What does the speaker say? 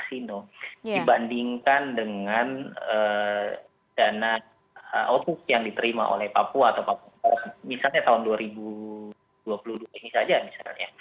dibandingkan dengan dana otsus yang diterima oleh papua misalnya tahun dua ribu dua puluh dua ini saja misalnya